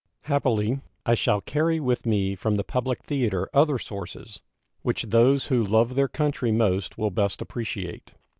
Happily, I shall carry with me from the public theater other sources, which those who love their country most will best appreciate.